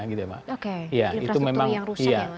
oke infrastruktur yang rusak